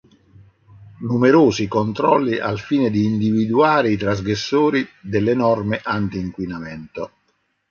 Numerosi i controlli al fine di individuare i trasgressori delle norme antinquinamento.